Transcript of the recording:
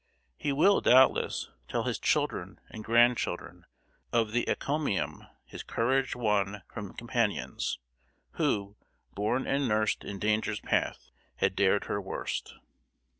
He will, doubtless, tell his children and grandchildren of the encomium his courage won from companions, who, "born and nursed in Danger's path, had dared her worst."